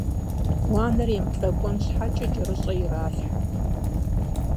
Уанэр емыплӏэкӏуэн щхьэкӏэ джэрыщӏэ иралъхьэ.